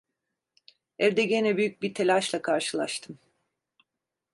Evde gene büyük bir telaşla karşılaştım.